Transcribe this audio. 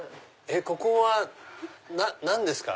ここは何ですか？